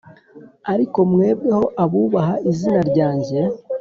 Ariko mwebweho abubaha izina ryanjye